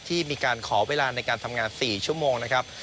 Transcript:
ที่มีการขอเวลาในการทำงาน๔ชั่วโมงนะครับ